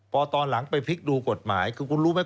พอตอนหลังไปพลิกดูกฎหมายคือคุณรู้ไหม